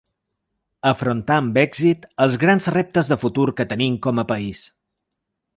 Afrontar amb èxit els grans reptes de futur que tenim com a país.